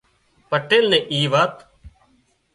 پٽيل نين اي وات